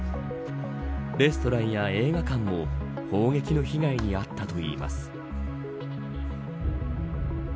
レストランや映画館も砲撃の被害に遭ったといいます。